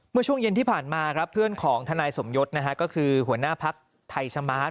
เมื่อช่วงเย็นที่ผ่านมาครับเพื่อนของทนายสมยศก็คือหัวหน้าพักไทยสมาร์ท